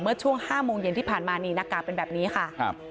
ช่วง๕โมงเย็นที่ผ่านมานี่หน้ากากเป็นแบบนี้ค่ะครับ